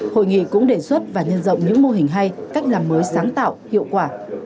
hội nghị cũng đề xuất và nhân rộng những mô hình hay cách làm mới sáng tạo hiệu quả